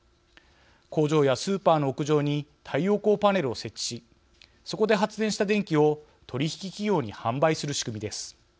工場やスーパーの屋上に太陽光パネルを設置しそこで発電した電気を取引企業に販売する仕組みです。